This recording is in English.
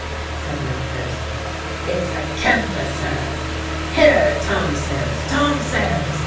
said Macpherson, "it's a canvasser. Here, Tom Sayers, Tom Sayers!"